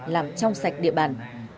làm trong sạch địa bàn